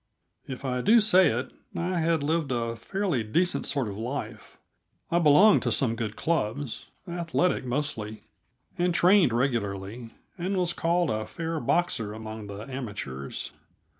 If I do say it, I had lived a fairly decent sort of life. I belonged to some good clubs athletic, mostly and trained regularly, and was called a fair boxer among the amateurs.